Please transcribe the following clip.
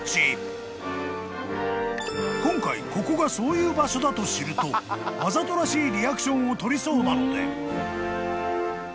［今回ここがそういう場所だと知るとわざとらしいリアクションをとりそうなので］